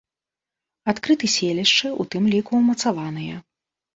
Адкрыты селішчы, у тым ліку ўмацаваныя.